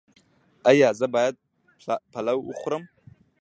ایا زه باید پلاو وخورم؟